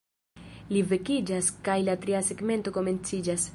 Li vekiĝas kaj la tria segmento komenciĝas.